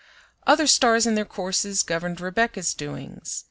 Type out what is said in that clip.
Other stars in their courses governed Rebecca's doings.